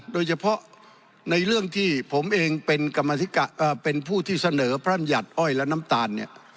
โดยเฉพาะในเรื่องที่ผมเองเป็นผู้ที่เสนอพระรำยัติอ้อยและน้ำตาลเนี่ย